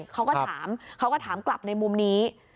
เขาก็ถามกลับในมุมนี้